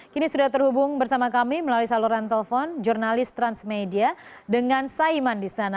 kini sudah terhubung bersama kami melalui saluran telepon jurnalis transmedia dengan saiman di sana